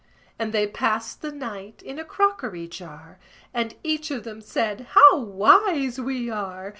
And they passed the night in a crockery jar; And each of them said, "How wise we are!